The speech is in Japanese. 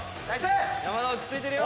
山田落ち着いてるよ。